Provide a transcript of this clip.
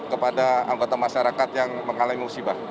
kepada anggota masyarakat yang mengalami musibah